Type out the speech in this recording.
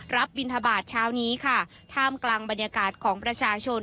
บินทบาทเช้านี้ค่ะท่ามกลางบรรยากาศของประชาชน